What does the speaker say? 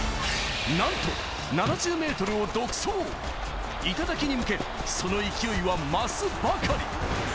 なんと７０ｍを独走、頂に向け、そのいきおいは増すばかり。